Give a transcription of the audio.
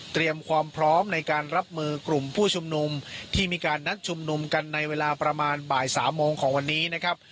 ความพร้อมในการรับมือกลุ่มผู้ชุมนุมที่มีการนัดชุมนุมกันในเวลาประมาณบ่ายสามโมงของวันนี้นะครับ